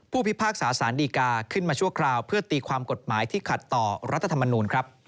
พิพากษาสารดีกาขึ้นมาชั่วคราวเพื่อตีความกฎหมายที่ขัดต่อรัฐธรรมนูลครับ